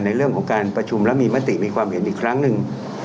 ในเรื่องของการประชุมและมีมติมีความเห็นอีกครั้งหนึ่ง